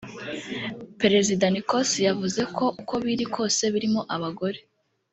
Perezida Nicos yavuze ko uko biri kose ‘birimo abagore’